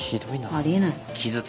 あり得ない。